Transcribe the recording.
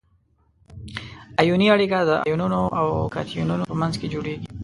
ایوني اړیکه د انیونونو او کتیونونو په منځ کې جوړیږي.